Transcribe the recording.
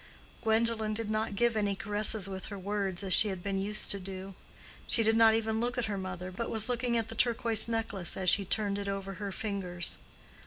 Gwendolen did not give any caresses with her words as she had been used to do. She did not even look at her mother, but was looking at the turquoise necklace as she turned it over her fingers.